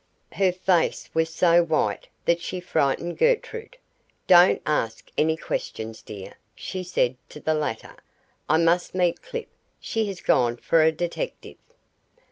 Her face was so white that she frightened Gertrude. "Don't ask any questions, dear," she said to the latter. "I must meet Clip. She has gone for a detective."